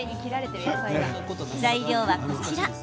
材料は、こちら。